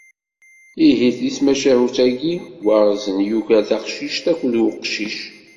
Ihi di tmacahut-agi, Waɣzen yuker taqcict akked uqcic.